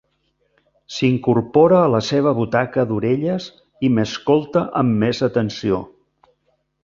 S'incorpora a la seva butaca d'orelles i m'escolta amb més atenció.